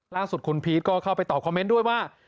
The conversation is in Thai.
ล่าสุดคุณพีชก็เข้าไปตอบคอมเมนต์ด้วยว่า